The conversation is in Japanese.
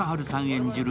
演じる